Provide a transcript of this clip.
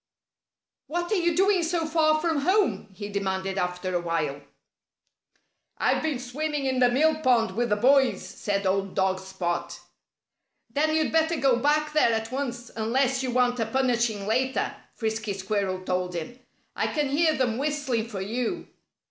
"What are you doing so far from home?" he demanded after a while. "I've been swimming in the mill pond with the boys," said old dog Spot. "Then you'd better go back there at once, unless you want a punishing later," Frisky Squirrel told him. "I can hear them whistling for you."